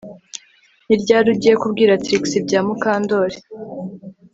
Ni ryari ugiye kubwira Trix ibya Mukandoli